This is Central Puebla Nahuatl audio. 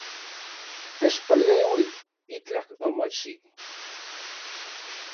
Techpaleui, itlaj omochi